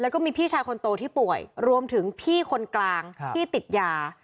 แล้วก็มีพี่ชายคนโตที่ป่วยรวมถึงพี่คนกลางที่ติดยา